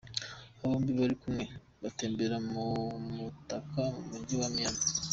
Aba bombi bari kumwe batembera mu mutaka mu mujyi wa Miami.